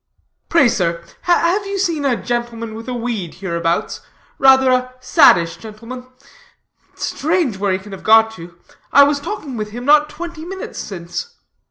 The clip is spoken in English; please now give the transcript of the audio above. "Pray, sir, have you seen a gentleman with a weed hereabouts, rather a saddish gentleman? Strange where he can have gone to. I was talking with him not twenty minutes since."